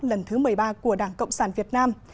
lần thứ một mươi ba của đảng cộng sản việt nam